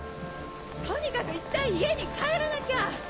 とにかくいったん家に帰らなきゃ！